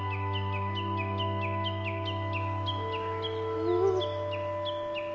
うん。